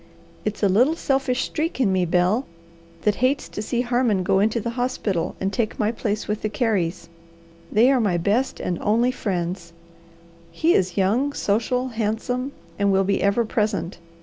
It's a little selfish streak in me, Bel, that hates to see Harmon go into the hospital and take my place with the Careys. They are my best and only friends. He is young, social, handsome, and will be ever present.